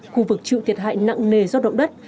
khu vực chịu thiệt hại nặng nề do động đất